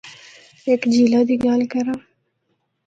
ہک جِھیلا دی گل کراں۔